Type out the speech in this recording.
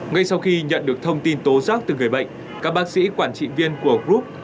ngay sau khi nhận được thông tin tố giác từ người bệnh các bác sĩ quản trị viên của group